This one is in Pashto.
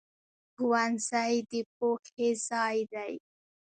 ښوونځی د پوهې ځای دی